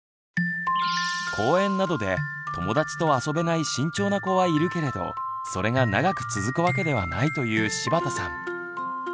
公園などで友達と遊べない慎重な子はいるけれどそれが長く続くわけではないという柴田さん。